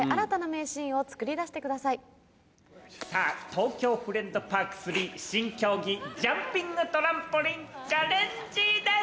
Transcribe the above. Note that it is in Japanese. さぁ東京フレンドパーク３新競技ジャンピングトランポリンチャレンジです！